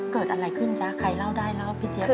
เกิดอะไรขึ้นจ๊ะใครเล่าได้เล่าพี่เจี๊ย